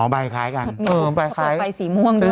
อ๋อใบคล้ายกัน